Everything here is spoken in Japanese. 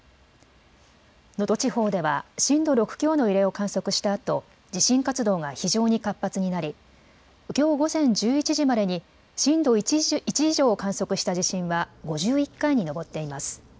能登地方では震度６強の揺れを観測したあと地震活動が非常に活発になりきょう午前１１時までに震度１以上を観測した地震は５１回に上っています。